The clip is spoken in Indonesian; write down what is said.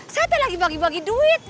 saya tuh lagi bagi bagi duit